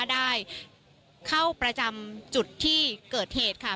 ได้เข้าประจำจุดที่เกิดเหตุค่ะ